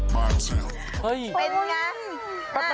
เป็นไง